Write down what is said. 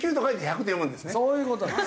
そういう事です。